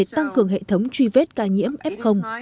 tăng cường hệ thống truy vết ca nhiễm f